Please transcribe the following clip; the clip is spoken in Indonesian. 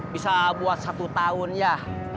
bisa buat satu tahun ya